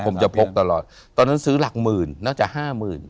ผมจะพกตลอดตอนนั้นซื้อหลักหมื่นน่าจะห้าหมื่น